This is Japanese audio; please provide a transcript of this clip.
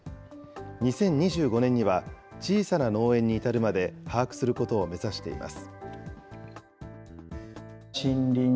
２０２５年には小さな農園に至るまで把握することを目指しています。